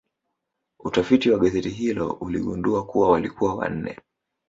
Utafiti wa gazeti hilo uligundua kuwa walikuwa wanne